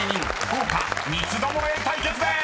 ［豪華三つどもえ対決でーす！］